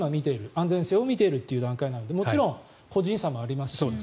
安全性を見ているという段階なのでもちろん個人差もありますし。